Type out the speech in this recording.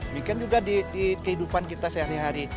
demikian juga di kehidupan kita sehari hari